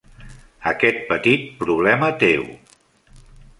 Aquest petit problema teu.